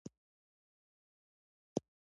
که چا مشوره درنه غوښته، ښه او د خیر مشوره ورکوئ